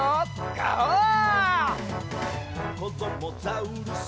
「こどもザウルス